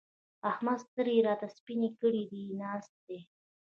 احمد سترګې راته سپينې کړې دي؛ ناست دی.